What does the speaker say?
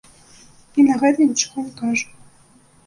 І на гэта нічога не кажа.